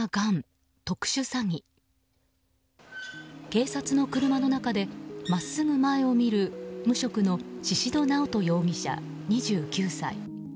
警察の車の中で真っすぐ前を見る無職の宍戸直人容疑者、２９歳。